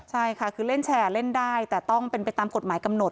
ใช่ค่ะคือเล่นแชร์เล่นได้แต่ต้องเป็นไปตามกฎหมายกำหนด